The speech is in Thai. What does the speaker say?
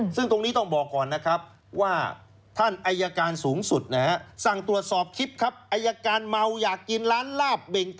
ซึ่งตรงนี้ต้องบอกก่อนนะครับ